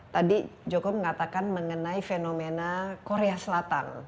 tadi joko mengatakan mengenai fenomena korea selatan